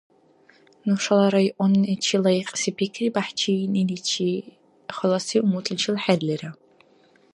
Нушала районничи лайикьси пикри бяхӀчииъниличи халаси умутличил хӀерлира.